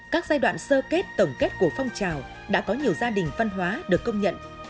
các giai đoạn sơ kết tổng kết của phong trào đã có nhiều gia đình văn hóa được công nhận